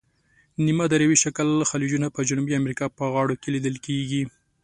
نیمه دایروي شکله خلیجونه په جنوبي امریکا په غاړو کې لیدل کیږي.